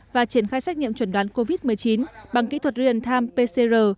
và triển khai xét nghiệm chuẩn đoán covid một mươi chín bằng kỹ thuật riêng tham pcr